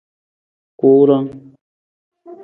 Kuurang.